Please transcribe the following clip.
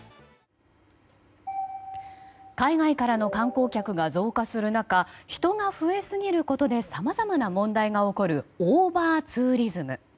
海外からの観光客が増加する中人が増えすぎることでさまざまな問題が起こるオーバーツーリズム。